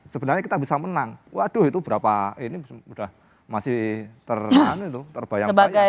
sebenarnya kita bisa menang waduh itu berapa ini sudah masih terbayang bayang